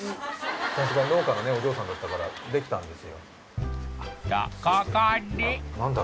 さすが農家のねお嬢さんだったからできたんですよと